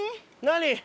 何？